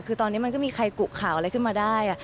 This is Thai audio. คือตอนนี้มันก็มีใครกุข่าวอะไรขึ้นมาได้